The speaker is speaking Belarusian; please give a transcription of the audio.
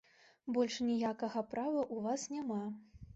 Больш ніякага права ў вас няма.